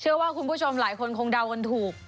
เชื่อว่าคุณผู้ชมหลายคนคงเดากันถูก